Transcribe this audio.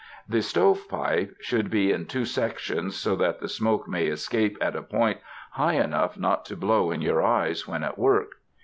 The stove pipe should be in two sections so that the smoke may escape at a point high enough not to blow in your eyes when at work.